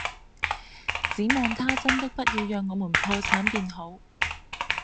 只望他真的不要讓我們破產便好！